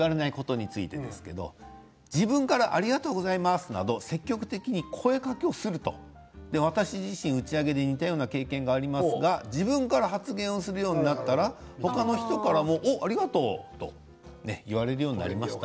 自分からありがとうございますなど積極的に声かけをすると私自身、打ち上げで似たような経験もあるけれど自分から発言をするようになったら他の人からもありがとうって言われるようになりました。